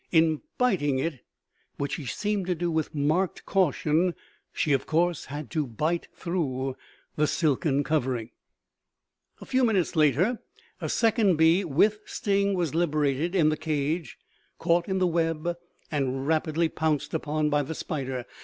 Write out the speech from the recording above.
In biting it, which she seemed to do with marked caution, she of course had to bite through the silken covering. "A few minutes later a second bee, with sting, was liberated in the cage, caught in the web and rapidly pounced on by the spider.